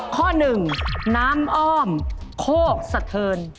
ข้อหนึ่งน้ำอ้อมโคกสะเทิน